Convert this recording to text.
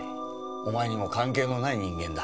お前にも関係のない人間だ。